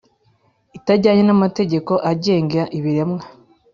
itajyanye n amategeko agenga ibiremwa